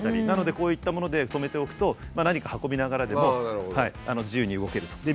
なのでこういったもので止めておくと何か運びながらでも自由に動けると。